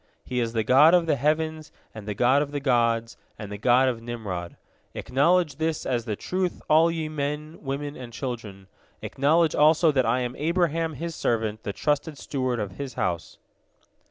He is the God of the heavens, and the God of the gods, and the God of Nimrod. Acknowledge this as the truth, all ye men, women, and children. Acknowledge also that I am Abraham His servant, the trusted steward of His house."